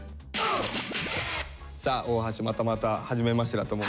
さあ大橋またまたはじめましてだと思う。